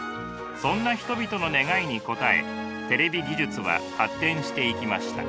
そんな人々の願いに応えテレビ技術は発展していきました。